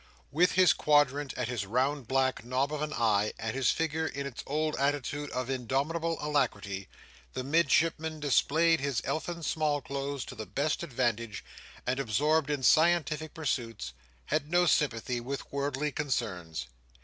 With his quadrant at his round black knob of an eye, and his figure in its old attitude of indomitable alacrity, the Midshipman displayed his elfin small clothes to the best advantage, and, absorbed in scientific pursuits, had no sympathy with worldly concerns.